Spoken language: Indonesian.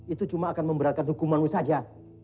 itu cuma akan memberatkan hukumanmu saja